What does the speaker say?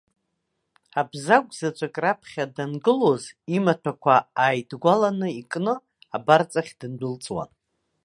Абзагә заҵәык раԥхьа дангылоз, имаҭәақәа ааидгәаланы икны, абарҵахь дындәылҵуан.